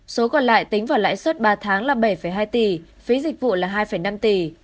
số còn lại tính vào lãi suất ba tháng là bảy hai tỷ phí dịch vụ là hai năm tỷ